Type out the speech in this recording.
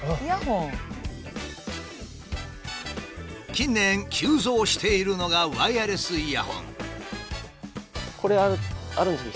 近年急増しているのがワイヤレスイヤホン。